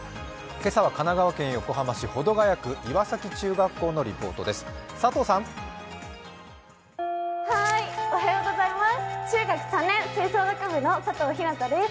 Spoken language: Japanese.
けさは神奈川県横浜市保土ケ谷区岩崎中学校のリポートです。